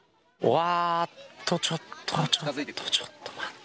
ちょっとちょっと、待って。